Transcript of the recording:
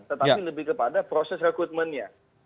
tetapi lebih kepada proses rekrutmennya